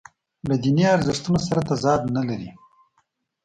له دیني ارزښتونو سره تضاد نه لري.